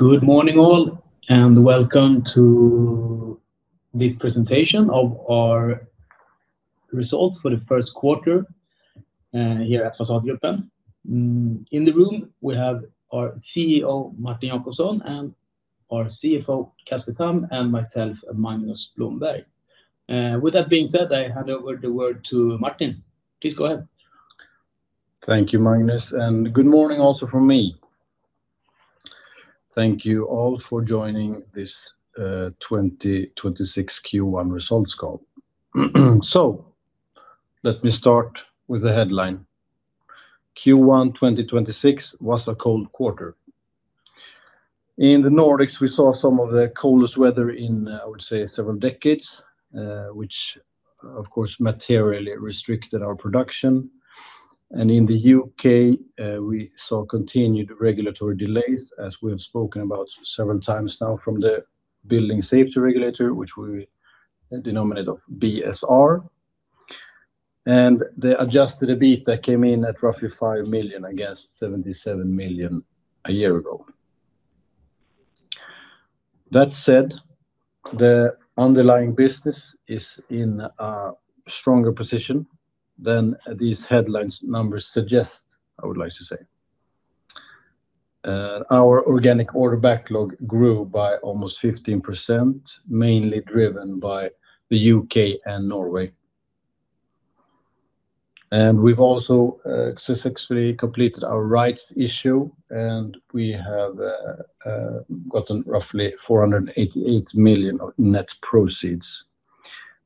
Good morning all, and welcome to this presentation of our results for the first quarter here at Fasadgruppen. In the room, we have our CEO, Martin Jacobsson, and our CFO, Casper Tamm, and myself, Magnus Blomberg. With that being said, I hand over the word to Martin. Please go ahead. Thank you, Magnus, and good morning also from me. Thank you all for joining this 2026 Q1 results call. Let me start with the headline. Q1 2026 was a cold quarter. In the Nordics, we saw some of the coldest weather in, I would say, several decades, which of course materially restricted our production. In the U.K., we saw continued regulatory delays as we have spoken about several times now from the Building Safety Regulator, which we denominate of BSR. The Adjusted EBITA that came in at roughly 5 million against 77 million a year ago. That said, the underlying business is in a stronger position than these headlines numbers suggest, I would like to say. Our organic order backlog grew by almost 15%, mainly driven by the U.K. and Norway. We've also successfully completed our rights issue, and we have gotten roughly 488 million of net proceeds.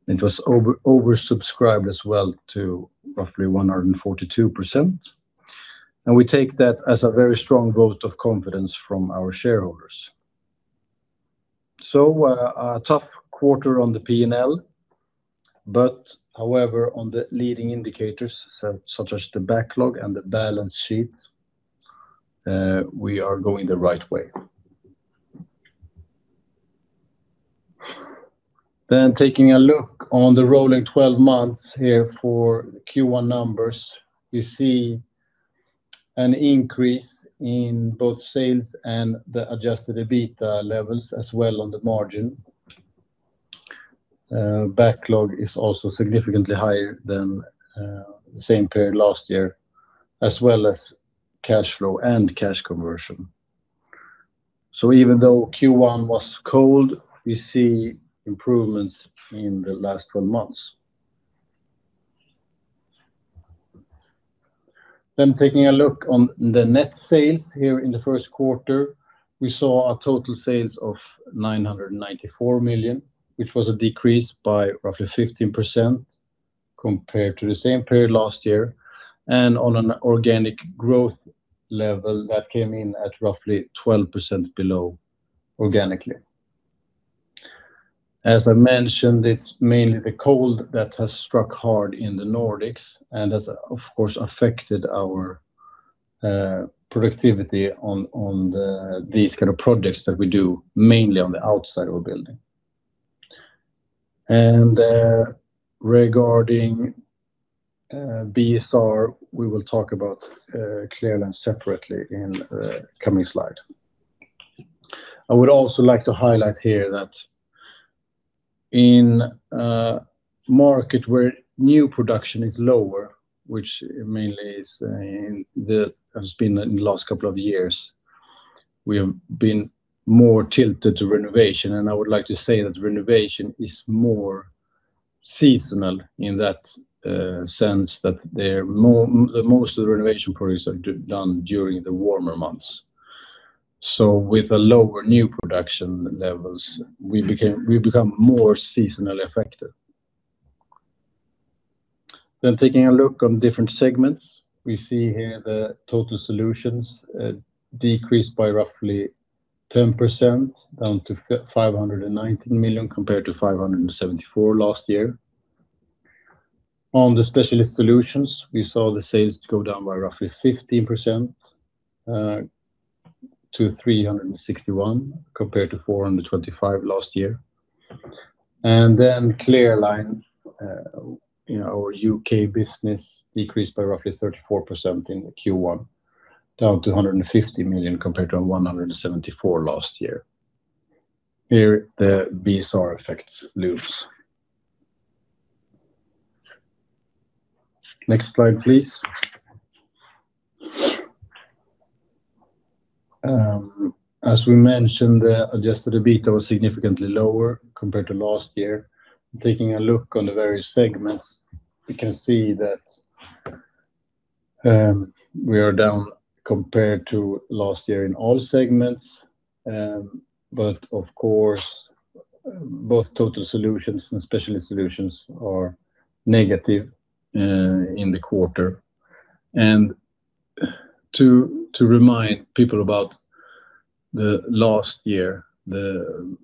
It was oversubscribed as well to roughly 142%. We take that as a very strong vote of confidence from our shareholders. A tough quarter on the P&L. However, on the leading indicators, such as the backlog and the balance sheet, we are going the right way. Taking a look on the rolling 12 months here for Q1 numbers, we see an increase in both sales and the Adjusted EBIT levels as well on the margin. Backlog is also significantly higher than the same period last year, as well as cash flow and cash conversion. Even though Q1 was cold, we see improvements in the last 12 months. Taking a look on the net sales here in the first quarter, we saw a total sales of 994 million, which was a decrease by roughly 15% compared to the same period last year, and on an organic growth level that came in at roughly 12% below organically. As I mentioned, it's mainly the cold that has struck hard in the Nordics and has, of course, affected our productivity on these kind of projects that we do mainly on the outside of a building. Regarding BSR, we will talk about Clear Line separately in the coming slide. I would also like to highlight here that in a market where new production is lower, which mainly has been in the last couple of years, we have been more tilted to renovation. I would like to say that renovation is more seasonal in that sense that most of the renovation projects are done during the warmer months. With the lower new production levels, we become more seasonally affected. Taking a look on different segments, we see here the Total Solutions decreased by roughly 10%, down to 519 million compared to 574 last year. On the Specialist Solutions, we saw the sales go down by roughly 15% to 361 compared to 425 last year. Clear Line, our U.K. business decreased by roughly 34% in the Q1, down to 150 million compared to 174 last year. Here, the BSR effects looms. Next slide, please. As we mentioned, the Adjusted EBITDA was significantly lower compared to last year. Taking a look on the various segments, we can see that we are down compared to last year in all segments. Of course, both Total Solutions and Specialist Solutions are negative in the quarter. To remind people about the last year, the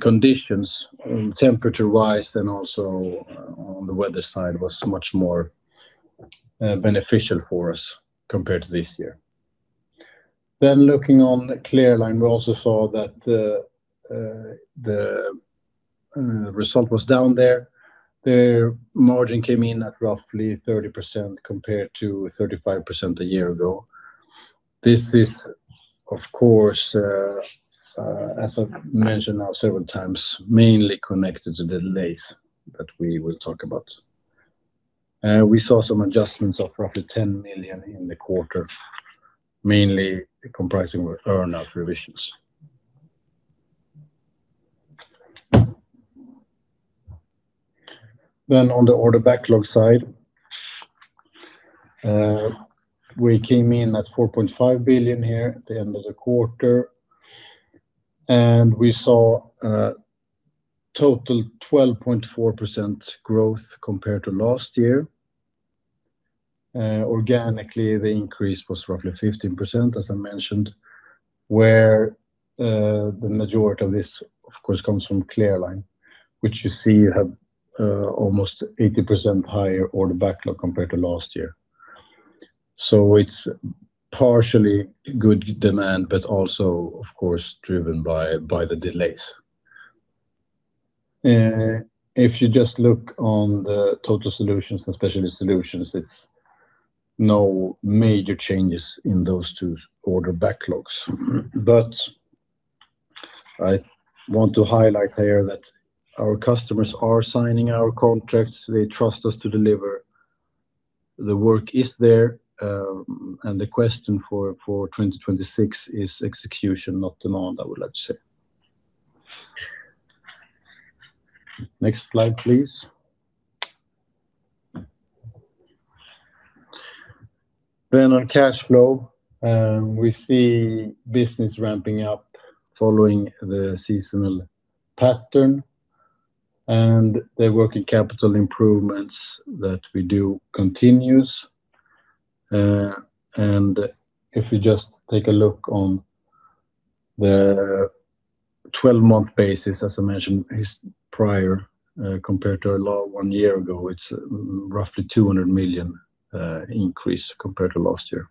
conditions temperature-wise and also on the weather side was much more beneficial for us compared to this year. Looking on the Clear Line, we also saw that the result was down there. The margin came in at roughly 30% compared to 35% a year ago. This is, of course, as I've mentioned now several times, mainly connected to delays that we will talk about. We saw some adjustments of roughly 10 million in the quarter, mainly comprising earn-out revisions. On the order backlog side, we came in at 4.5 billion here at the end of the quarter. We saw a total 12.4% growth compared to last year. Organically, the increase was roughly 15%, as I mentioned, where the majority of this, of course, comes from Clear Line, which you see had almost 80% higher order backlog compared to last year. It's partially good demand, but also, of course, driven by the delays. If you just look on the Total Solutions and Specialist Solutions, it's no major changes in those two order backlogs. I want to highlight here that our customers are signing our contracts. They trust us to deliver. The work is there, and the question for 2026 is execution, not demand, I would like to say. Next slide, please. On cash flow, we see business ramping up following the seasonal pattern, and the working capital improvements that we do continues. If you just take a look on the 12-month basis, as I mentioned, prior, compared to one year ago, it's roughly 200 million increase compared to last year.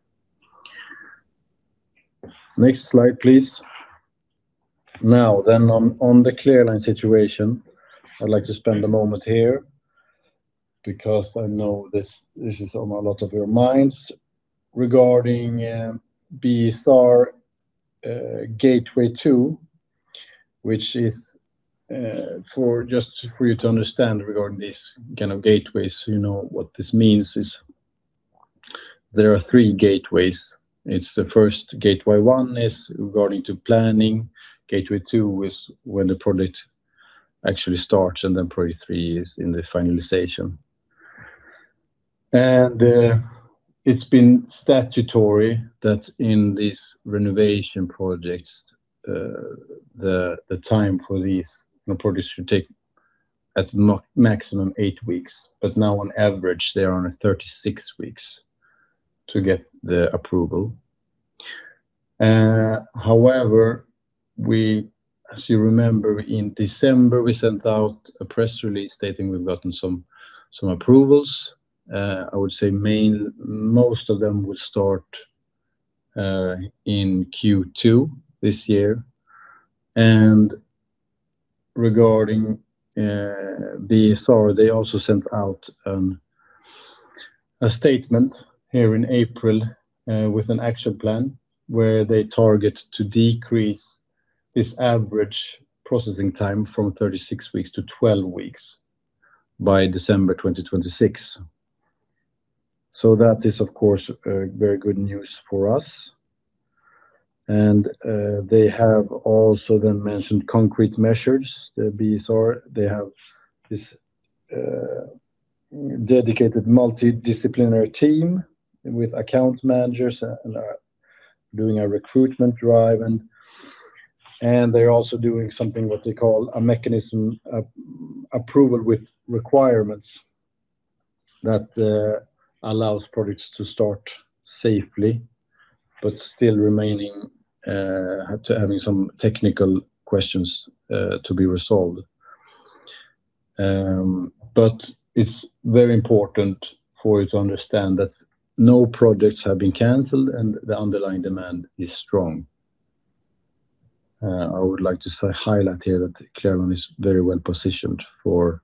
Next slide, please. On the Clear Line situation, I'd like to spend a moment here because I know this is on a lot of your minds regarding BSR Gateway 2, which is for you to understand regarding these kind of gateways, you know what this means is there are three gateways. It's the first, Gateway 1 is regarding to planning. Gateway 2 is when the project actually starts, and then probably three years in the finalization. It's been statutory that in these renovation projects, the time for these projects should take at maximum eight weeks. Now on average, they are on a 36 weeks to get the approval. As you remember, in December, we sent out a press release stating we've gotten some approvals. I would say most of them will start in Q2 this year. Regarding BSR, they also sent out a statement here in April with an action plan where they target to decrease this average processing time from 36 weeks to 12 weeks by December 2026. That is, of course, very good news for us. They have also then mentioned concrete measures, the BSR. They have this dedicated multidisciplinary team with account managers and are doing a recruitment drive. They're also doing something, what they call a mechanism approval with requirements that allows projects to start safely, but still remaining to having some technical questions to be resolved. It's very important for you to understand that no projects have been canceled and the underlying demand is strong. I would like to highlight here that Clear Line is very well-positioned for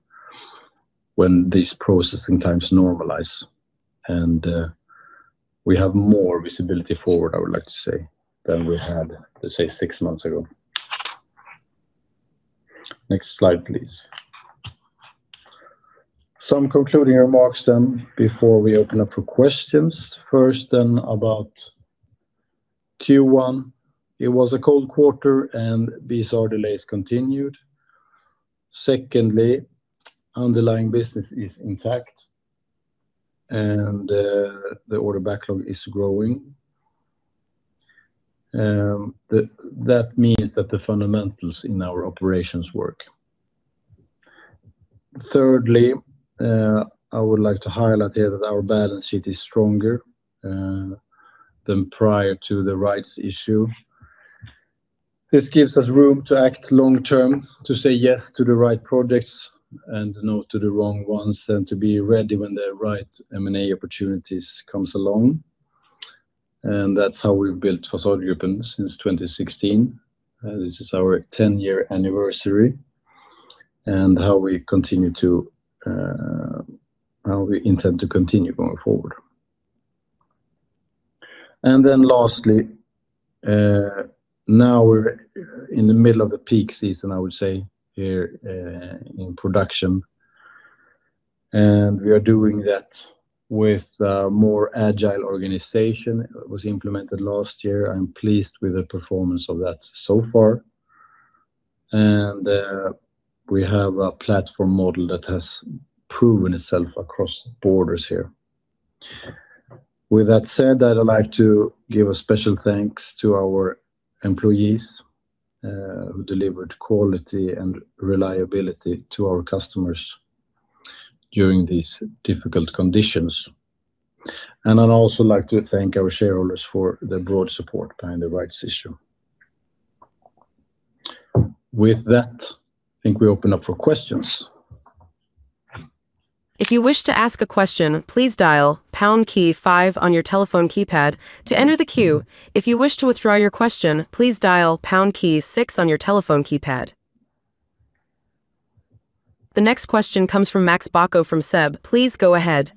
when these processing times normalize, and we have more visibility forward, I would like to say, than we had, let's say, six months ago. Next slide, please. Some concluding remarks then before we open up for questions. First then about Q1, it was a cold quarter and BSR delays continued. Secondly, underlying business is intact and the order backlog is growing. That means that the fundamentals in our operations work. Thirdly, I would like to highlight here that our balance sheet is stronger than prior to the rights issue. This gives us room to act long-term, to say yes to the right projects and no to the wrong ones, and to be ready when the right M&A opportunities comes along. That's how we've built Fasadgruppen since 2016. This is our 10-year anniversary. How we intend to continue going forward. Lastly, now we're in the middle of the peak season, I would say, here in production, and we are doing that with a more agile organization. It was implemented last year. I'm pleased with the performance of that so far. We have a platform model that has proven itself across borders here. With that said, I'd like to give a special thanks to our employees, who delivered quality and reliability to our customers during these difficult conditions. I'd also like to thank our shareholders for the broad support behind the rights issue. With that, I think we open up for questions. The next question comes from Max Bacco from SEB. Please go ahead.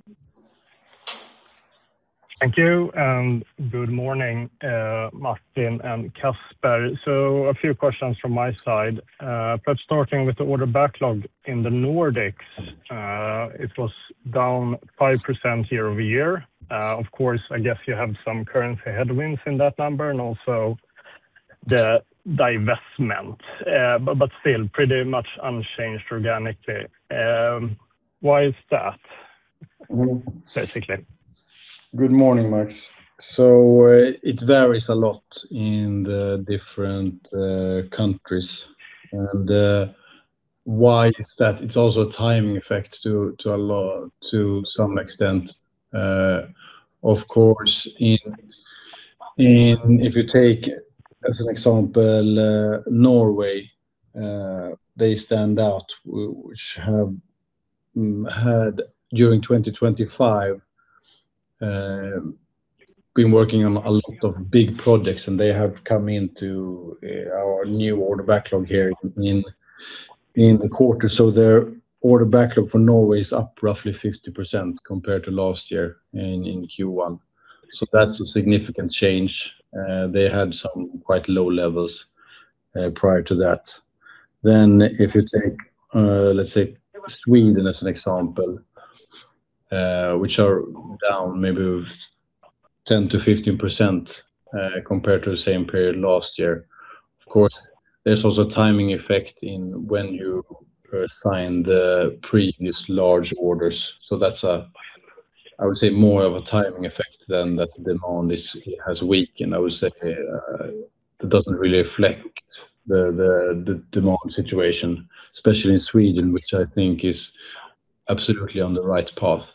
Thank you, and good morning, Martin and Casper. A few questions from my side. Perhaps starting with the order backlog in the Nordics. It was down 5% year-over-year. Of course, I guess you have some currency headwinds in that number and also the divestment, but still pretty much unchanged organically. Why is that, basically? Good morning, Max. It varies a lot in the different countries. Why is that? It's also a timing effect to some extent. Of course, if you take as an example Norway, they stand out, which have had, during 2025, been working on a lot of big projects, and they have come into our new order backlog here in the quarter. Their order backlog for Norway is up roughly 50% compared to last year in Q1. That's a significant change. They had some quite low levels prior to that. If you take, let's say, Sweden as an example, which are down maybe 10%-15% compared to the same period last year. Of course, there's also a timing effect in when you sign the previous large orders. That's, I would say, more of a timing effect than that demand has weakened. I would say that doesn't really reflect the demand situation, especially in Sweden, which I think is absolutely on the right path.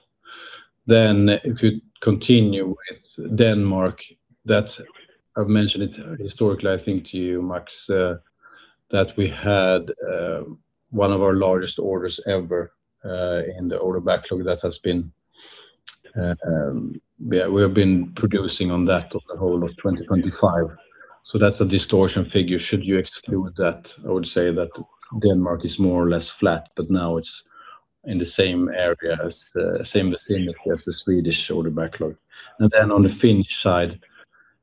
If you continue with Denmark, I've mentioned it historically, I think, to you, Max, that we had one of our largest orders ever in the order backlog that we have been producing on that the whole of 2025. That's a distortion figure. Should you exclude that, I would say that Denmark is more or less flat, but now it's in the same area, same as the Swedish order backlog. On the Finnish side,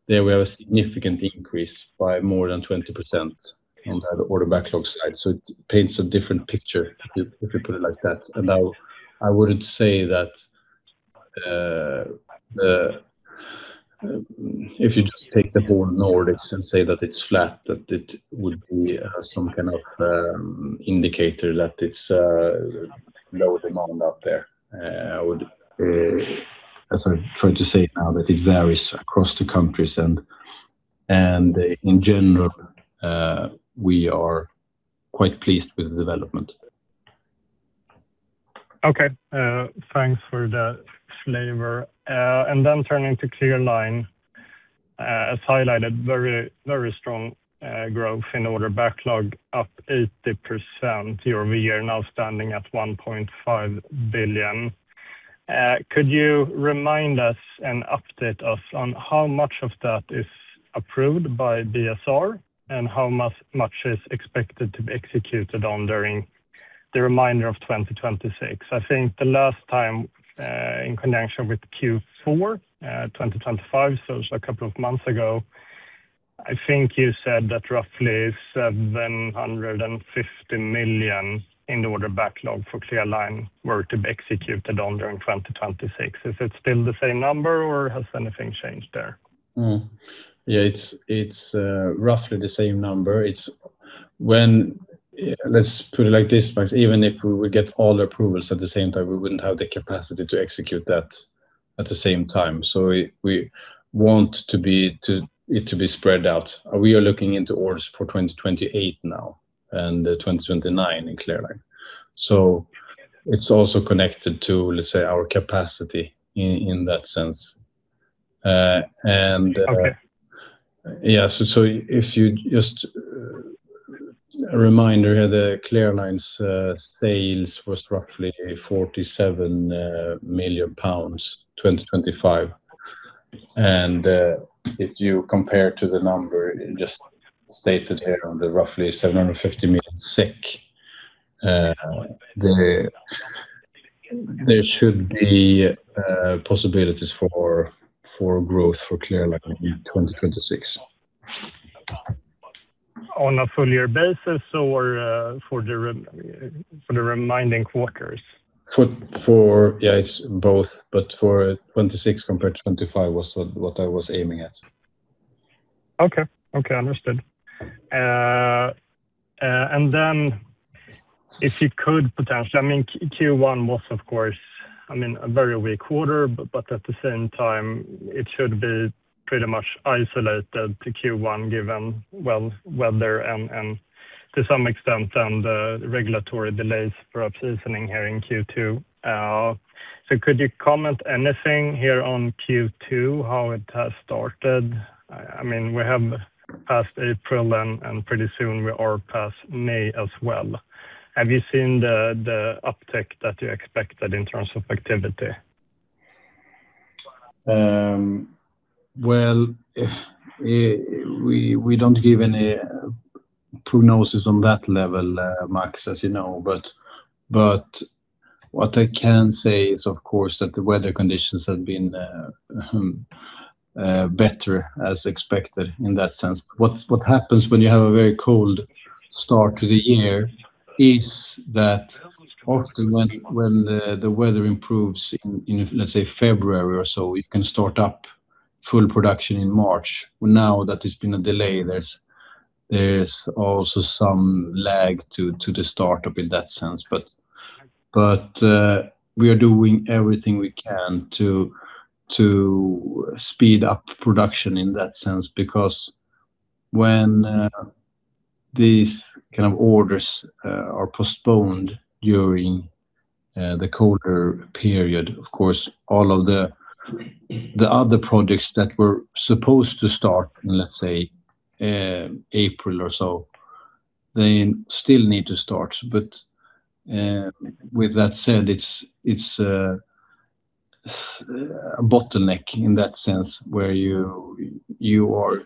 there we have a significant increase by more than 20% in the order backlog side. It paints a different picture, if you put it like that. I wouldn't say that if you just take the whole Nordics and say that it's flat, that it would be some kind of indicator that it's low demand out there. I tried to say now, that it varies across the countries and, in general, we are quite pleased with the development. Okay. Thanks for that flavor. Then turning to Clear Line. As highlighted, very strong growth in order backlog, up 80% year-over-year, now standing at 1.5 billion. Could you remind us, an update us on how much of that is approved by BSR and how much is expected to be executed on during the remainder of 2026? I think the last time, in connection with Q4 2025, so it's a couple of months ago, I think you said that roughly 750 million in order backlog for Clear Line were to be executed on during 2026. Is it still the same number or has anything changed there? Yeah, it's roughly the same number. Let's put it like this, Max. Even if we would get all the approvals at the same time, we wouldn't have the capacity to execute that at the same time. We want it to be spread out. We are looking into orders for 2028 now and 2029 in Clear Line. It's also connected to, let's say, our capacity in that sense. Okay. Yeah. A reminder here that Clear Line sales was roughly 47 million pounds in 2025. If you compare to the number just stated here on the roughly 750 million, there should be possibilities for growth for Clear Line in 2026. On a full year basis or for the remaining quarters? Yeah, it's both, but for 2026 compared to 2025 was what I was aiming at. Okay. Understood. If you could potentially, Q1 was of course, a very weak quarter, but at the same time, it should be pretty much isolated to Q1, given weather and to some extent then the regulatory delays for up-screening here in Q2. Could you comment anything here on Q2, how it has started? We have passed April and pretty soon we are past May as well. Have you seen the uptick that you expected in terms of activity? Well, we don't give any prognosis on that level, Max, as you know. What I can say is of course, that the weather conditions have been better as expected in that sense. What happens when you have a very cold start to the year is that often when the weather improves in, let's say, February or so, you can start up full production in March. Now that there's been a delay, there's also some lag to the start-up in that sense. We are doing everything we can to speed up production in that sense. When these orders are postponed during the colder period, of course, all of the other projects that were supposed to start in, let's say, April or so, they still need to start. With that said, it's a bottleneck in that sense where you are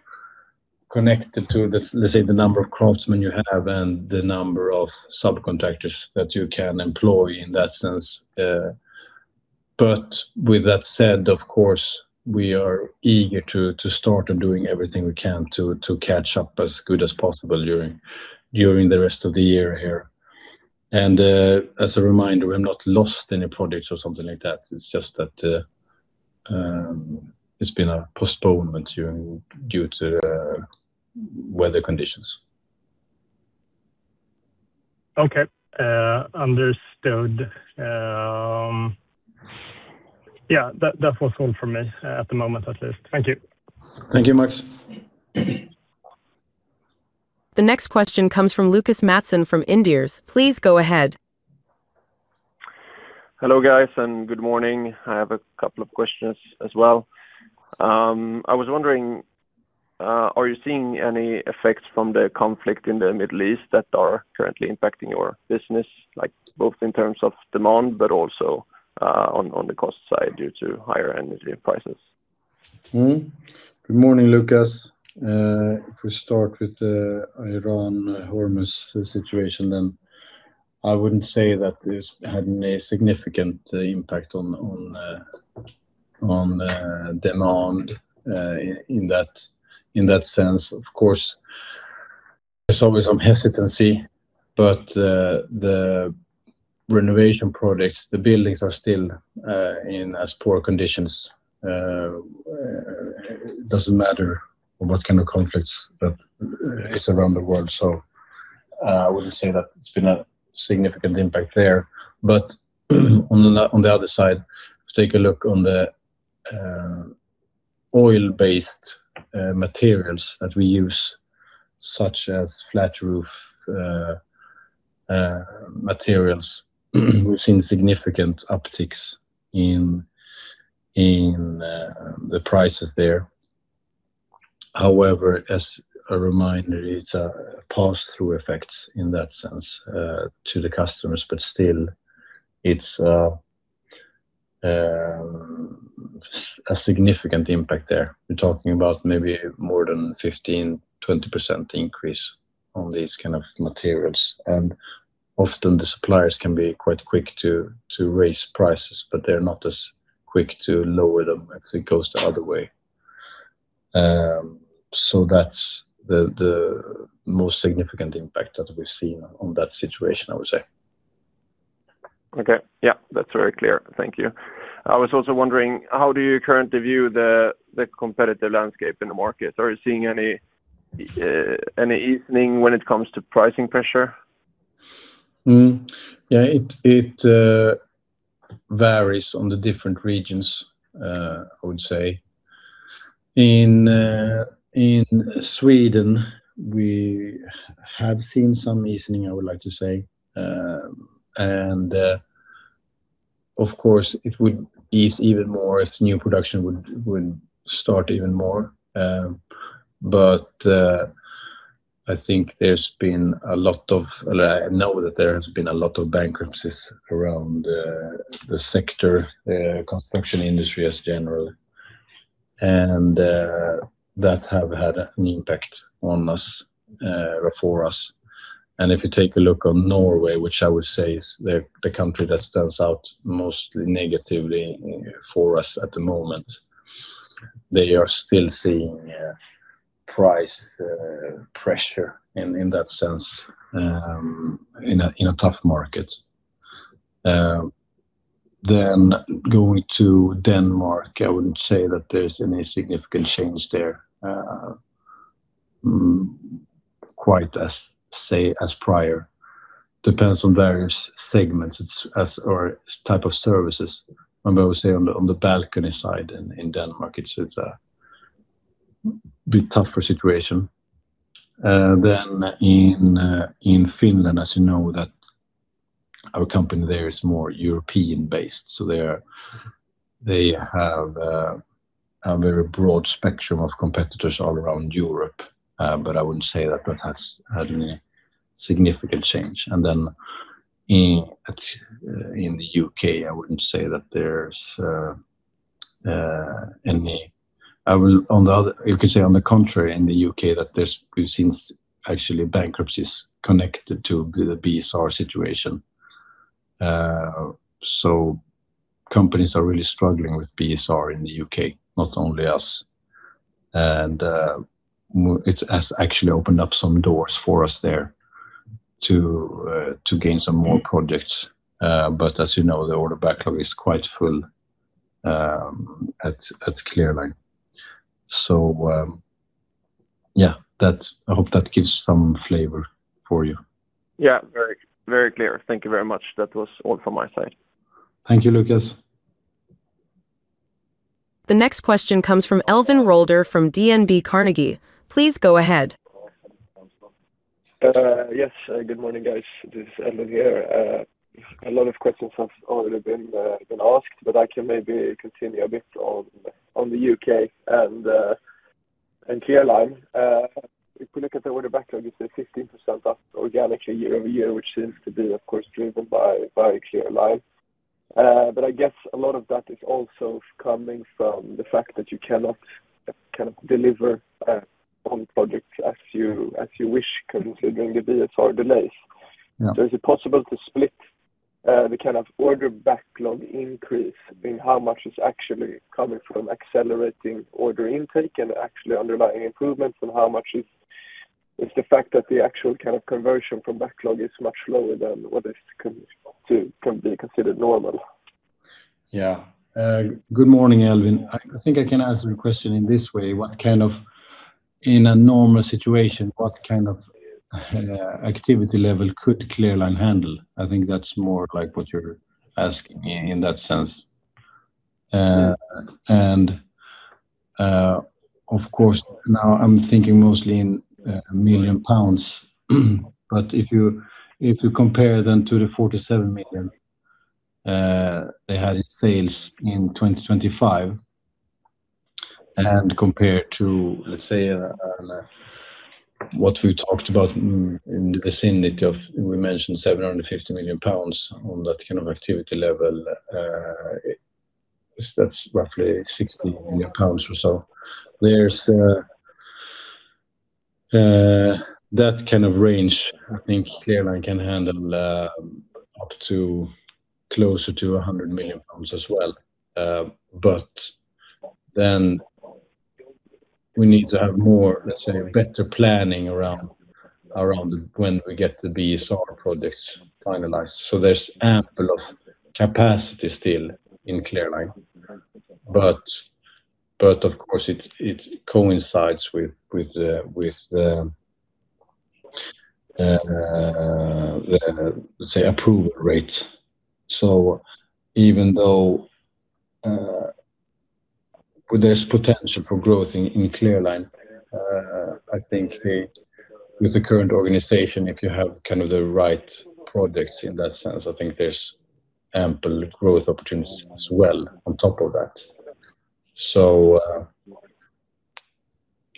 connected to, let's say, the number of craftsmen you have and the number of subcontractors that you can employ in that sense. With that said, of course, we are eager to start and doing everything we can to catch up as good as possible during the rest of the year here. As a reminder, we have not lost any projects or something like that. It's just that it's been a postponement due to weather conditions. Okay. Understood. Yeah, that was all from me at the moment, at least. Thank you. Thank you, Max. The next question comes from Lucas Mattsson from Inderes. Please go ahead. Hello, guys, and good morning. I have a couple of questions as well. I was wondering, are you seeing any effects from the conflict in the Middle East that are currently impacting your business, both in terms of demand, but also on the cost side due to higher energy prices? Good morning, Lucas. We start with the Iran Hormuz situation, I wouldn't say that it's had any significant impact on demand in that sense. Of course, there's always some hesitancy, the renovation projects, the buildings are still in as poor conditions. It doesn't matter what kind of conflicts that is around the world. I wouldn't say that it's been a significant impact there. On the other side, if you take a look on the oil-based materials that we use, such as flat roof materials, we've seen significant upticks in the prices there. However, as a reminder, it's a pass-through effects in that sense to the customers, but still it's a significant impact there. We're talking about maybe more than 15%-20% increase on these kind of materials. Often the suppliers can be quite quick to raise prices, but they're not as quick to lower them if it goes the other way. That's the most significant impact that we've seen on that situation, I would say. Okay. Yeah, that's very clear. Thank you. I was also wondering, how do you currently view the competitive landscape in the market? Are you seeing any easing when it comes to pricing pressure? Yeah, it varies on the different regions, I would say. Of course, it would ease even more if new production would start even more. I think there has been a lot of bankruptcies around the sector, construction industry as general, and that have had an impact on us or for us. If you take a look on Norway, which I would say is the country that stands out mostly negatively for us at the moment, they are still seeing price pressure in that sense, in a tough market. Going to Denmark, I wouldn't say that there's any significant change there quite as say as prior. Depends on various segments or type of services. I would say on the balcony side in Denmark, it's a bit tougher situation. In Finland, as you know, that our company there is more European based, so they have a very broad spectrum of competitors all around Europe. I wouldn't say that has had any significant change. In the U.K., you could say on the contrary in the U.K. that there's been since actually bankruptcies connected to the BSR situation. Companies are really struggling with BSR in the U.K., not only us. It has actually opened up some doors for us there to gain some more projects. As you know, the order backlog is quite full at Clear Line. Yeah, I hope that gives some flavor for you. Yeah, very clear. Thank you very much. That was all from my side. Thank you, Lucas. The next question comes from Elvin Rolder from DNB Carnegie. Please go ahead. Yes, good morning, guys. This is Elvin here. A lot of questions have already been asked, but I can maybe continue a bit on the U.K. and Clear Line. If we look at the order backlog, it's a 15% up organically year-over-year, which seems to be, of course, driven by Clear Line. I guess a lot of that is also coming from the fact that you cannot deliver on projects as you wish considering the BSR delays. Yeah. Is it possible to split the kind of order backlog increase in how much is actually coming from accelerating order intake and actually underlying improvements, and how much is the fact that the actual kind of conversion from backlog is much lower than what is to be considered normal? Good morning, Elvin. I think I can answer the question in this way. In a normal situation, what kind of activity level could Clear Line handle? I think that's more like what you're asking in that sense. Of course, now I'm thinking mostly in million pounds. If you compare them to the 47 million they had in sales in 2025 and compare it to, let's say, what we talked about in the vicinity of, we mentioned 750 million pounds on that kind of activity level. That's roughly 60 million pounds or so. That kind of range, I think Clear Line can handle up to closer to 100 million pounds as well. We need to have more, let's say, better planning around when we get the BSR projects finalized. There's ample of capacity still in Clear Line, but of course, it coincides with the, let's say, approval rates. Even though there's potential for growth in Clear Line, I think with the current organization, if you have the right projects in that sense, I think there's ample growth opportunities as well on top of that.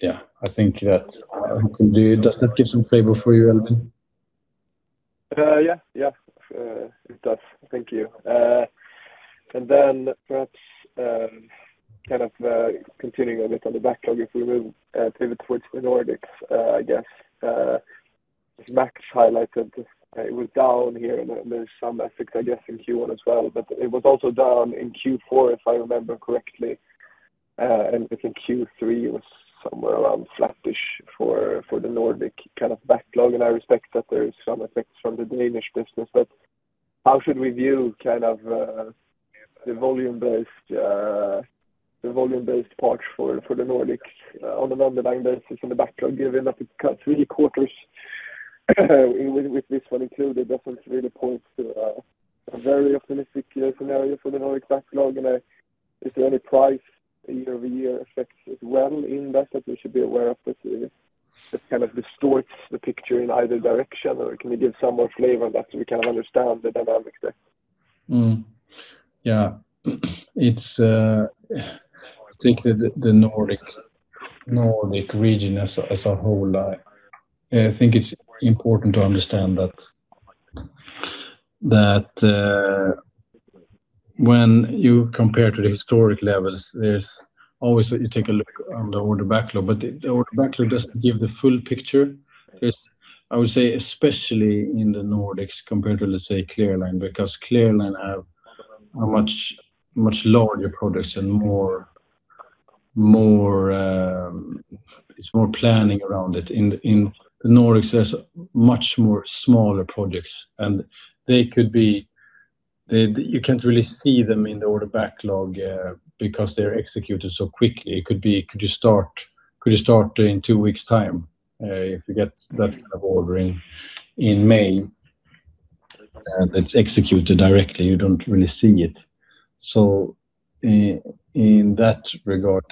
Yeah, I think that I can do. Does that give some flavor for you, Elvin? Yeah. It does. Thank you. Perhaps continuing a bit on the backlog, if we will pivot towards the Nordics, I guess. Max highlighted it was down here, and there is some effects, I guess, in Q1 as well, but it was also down in Q4, if I remember correctly. I think Q3 was somewhere around flattish for the Nordic backlog. I respect that there is some effects from the Danish business, but how should we view the volume-based part for the Nordics on a run-rate basis in the backlog, given that the past three quarters with this one included, does not really point to a very optimistic scenario for the Nordic backlog? Is there any price year-over-year effects as well in that we should be aware of this year? That kind of distorts the picture in either direction, or can you give some more flavor on that so we understand the dynamics there? Yeah. I there the Nordic region as a whole, I think it's important to understand that when you compare to the historic levels, you always take a look on the order backlog, but the order backlog doesn't give the full picture. I would say, especially in the Nordics compared to, let's say, Clear Line, because Clear Line have a much larger projects and it's more planning around it. In the Nordics, there's much more smaller projects, and you can't really see them in the order backlog, because they're executed so quickly. It could be, "Could you start in two weeks' time?" If you get that kind of order in May, and it's executed directly, you don't really see it. In that regard,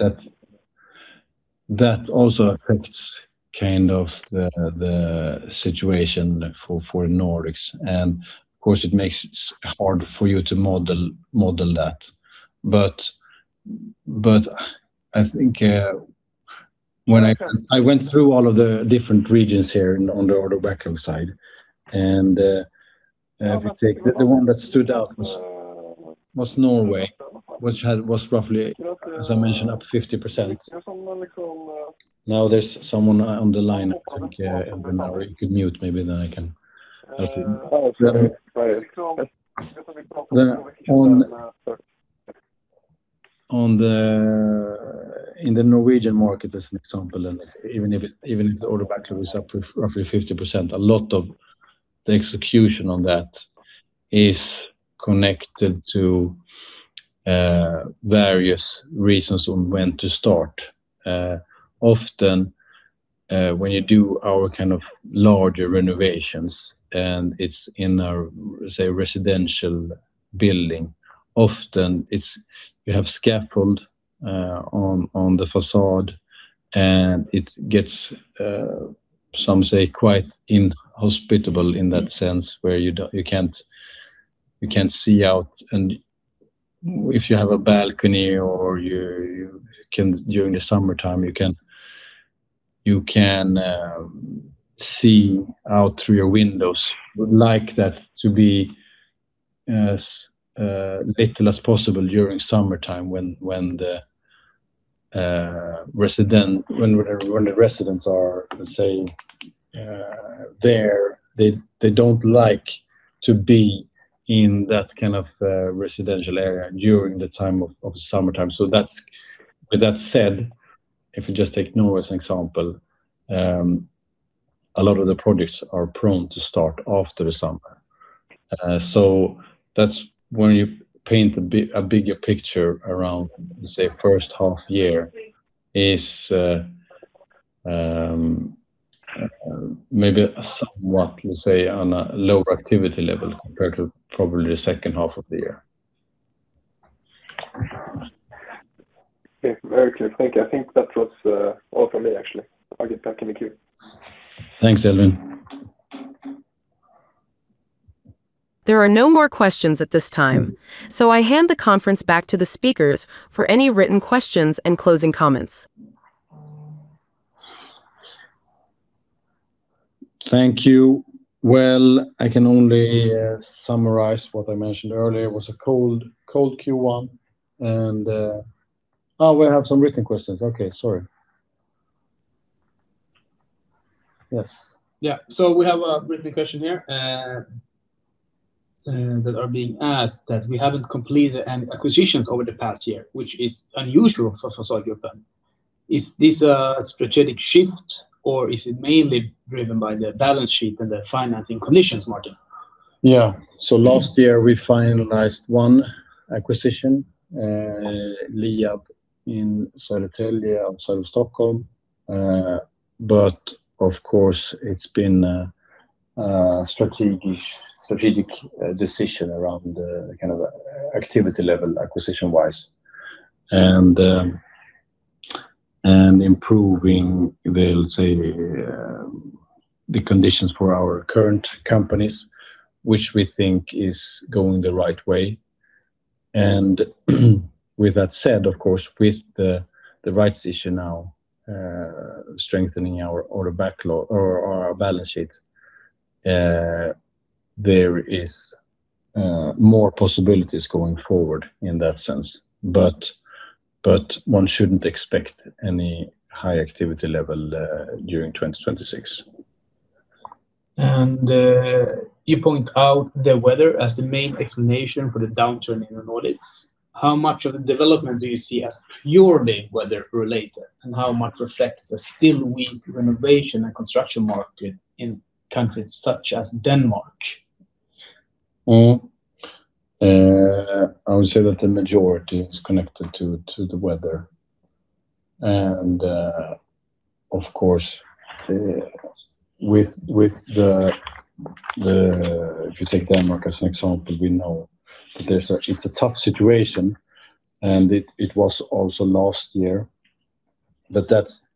that also affects the situation for Nordics, and of course, it makes it hard for you to model that. I think when I went through all of the different regions here on the order backlog side, and if you take the one that stood out was Norway, which was roughly, as I mentioned, up 50%. Now there's someone on the line, I think, Elvin. You could mute maybe, then I can talk to you. Oh, sorry. In the Norwegian market, as an example, even if the order backlog is up roughly 50%, a lot of the execution on that is connected to various reasons on when to start. Often, when you do our kind of larger renovations, and it's in a, say, residential building, often you have scaffold on the façade and it gets, some say, quite inhospitable in that sense, where you can't see out. If you have a balcony or during the summertime, you can see out through your windows. Would like that to be as little as possible during summertime when the residents are, let's say, there. They don't like to be in that kind of residential area during the time of the summertime. With that said, if you just take Norway as an example, a lot of the projects are prone to start after the summer. That's when you paint a bigger picture around, let's say, first half year is maybe somewhat, let's say, on a lower activity level compared to probably the second half of the year. Okay. Very clear. Thank you. I think that was all from me, actually. I'll get back in the queue. Thanks, Elvin. There are no more questions at this time. I hand the conference back to the speakers for any written questions and closing comments. Thank you. Well, I can only summarize what I mentioned earlier. It was a cold Q1. Oh, we have some written questions. Okay. Sorry. Yes. Yeah. We have a written question here that are being asked that we haven't completed any acquisitions over the past year, which is unusual for Fasadgruppen. Is this a strategic shift or is it mainly driven by the balance sheet and the financing conditions, Martin? Last year we finalized one acquisition, Liab in Södertälje outside of Stockholm. Of course, it's been a strategic decision around the kind of activity level acquisition-wise and improving, let's say, the conditions for our current companies, which we think is going the right way. With that said, of course, with the rights issue now strengthening our order backlog or our balance sheet, there is more possibilities going forward in that sense. One shouldn't expect any high activity level during 2026. You point out the weather as the main explanation for the downturn in the Nordics. How much of the development do you see as purely weather related, and how much reflects a still weak renovation and construction market in countries such as Denmark? I would say that the majority is connected to the weather. If you take Denmark as an example, we know that it's a tough situation, and it was also last year.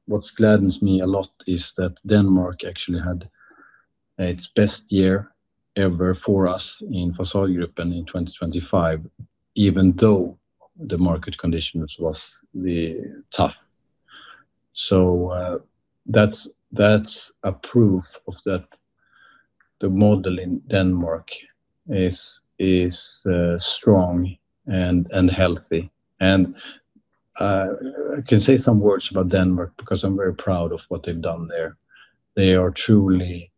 What gladdens me a lot is that Denmark actually had its best year ever for us in Fasadgruppen in 2025, even though the market conditions was tough. That's a proof that the model in Denmark is strong and healthy. I can say some words about Denmark because I'm very proud of what they've done there. They are truly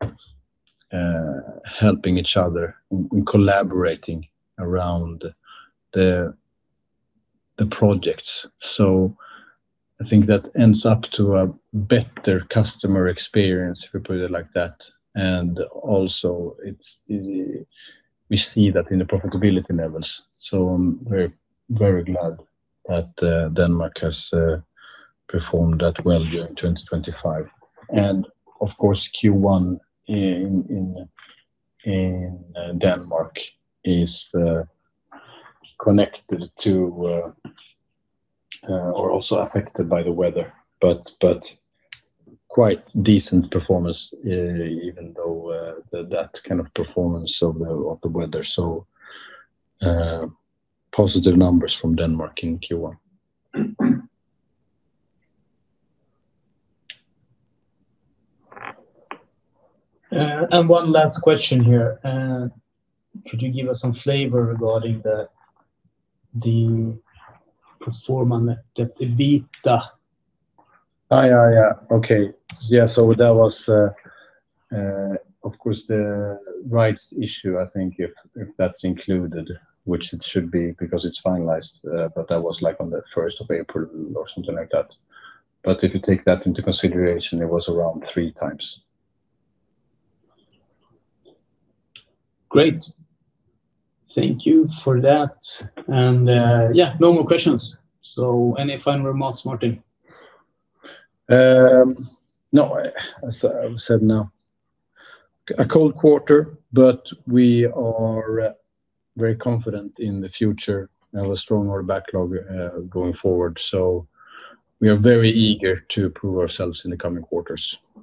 helping each other and collaborating around the projects. I think that ends up to a better customer experience, if we put it like that. Also we see that in the profitability levels. We're very glad that Denmark has performed that well during 2025. Of course, Q1 in Denmark is connected to or also affected by the weather, but quite decent performance, even though that kind of performance of the weather. Positive numbers from Denmark in Q1. One last question here. Could you give us some flavor regarding the pro forma net debt to EBITA? Yeah. Okay. That was of course the rights issue, I think, if that's included, which it should be, because it's finalized. That was on the first of April or something like that. If you take that into consideration, it was around three times. Great. Thank you for that. No more questions. Any final remarks, Martin? As I said now, a cold quarter, but we are very confident in the future and have a stronger backlog going forward. We are very eager to prove ourselves in the coming quarters.